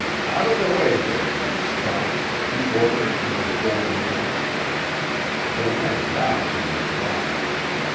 "Out of the way there, you scum!" he ordered, in his old manner. The men laughed in reply.